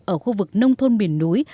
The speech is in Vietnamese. ở khu vực nông thôn biển núi